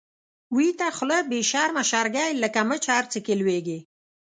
ويته خوله بی شرمه شرګی، لکه مچ هر څه کی لويږی